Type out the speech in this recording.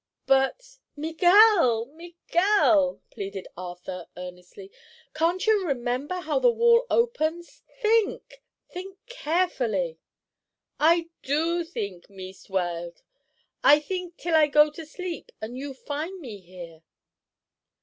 "But—Miguel, Miguel!" pleaded Arthur, earnestly, "can't you remember how the wall opens? Think! Think carefully." "I do theenk, Meest Weld; I theenk till I go sleep, an' you find me here."